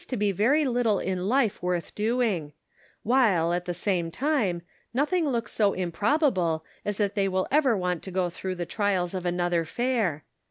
to be very little in life worth doing ; while, at the same time, nothing looks so improbable as that they will ever want to go through the trials of another fair.